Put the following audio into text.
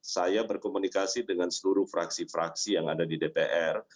saya berkomunikasi dengan seluruh fraksi fraksi yang ada di dpr